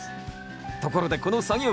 ところでこの作業服